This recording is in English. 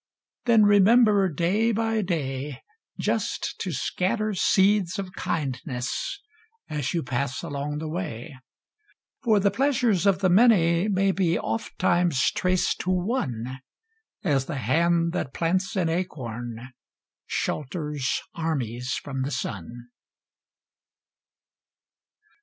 Then remember day by day, Just to scatter seeds of kindness as you pass along the way ; For the pleasures of the many may be ofttimes traced to one, As the hand that plants the acorn shelters armies from the sun.